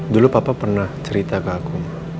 dulu papa pernah cerita ke aku